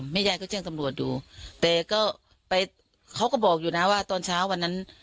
ยายก็แจ้งตำรวจอยู่แต่ก็ไปเขาก็บอกอยู่นะว่าตอนเช้าวันนั้น